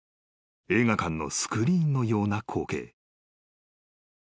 ［映画館のスクリーンのような光景］